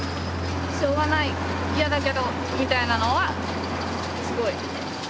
しょうがない嫌だけどみたいなのはすごい。